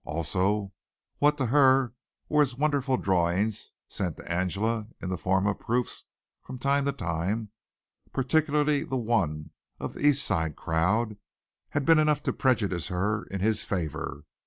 Also, what to her were his wonderful drawings, sent to Angela in the form of proofs from time to time, particularly the one of the East Side crowd, had been enough to prejudice her in his favor.